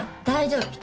大丈夫。